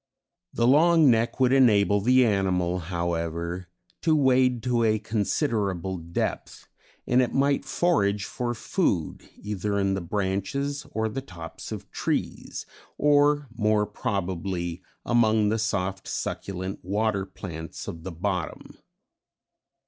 The long neck would enable the animal, however, to wade to a considerable depth, and it might forage for food either in the branches or the tops of trees, or more probably, among the soft succulent water plants of the bottom.